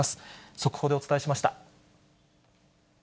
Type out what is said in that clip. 速報でお伝えしました。